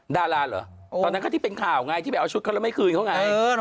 ดาราเหรอตอนนั้นก็ที่เป็นข่าวไงที่ไปเอาชุดเขาแล้วไม่คืนเขาไง